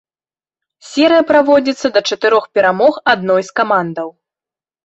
Серыя праводзіцца да чатырох перамог адной з камандаў.